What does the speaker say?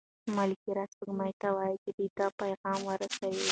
ملکیار سپوږمۍ ته وايي چې د ده پیغام ورسوي.